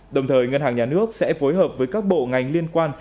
đồng thời ngân hàng nhà nước sẽ phối hợp với các bộ ngành liên quan